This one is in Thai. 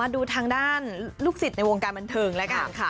ดูทางด้านลูกศิษย์ในวงการบันเทิงแล้วกันค่ะ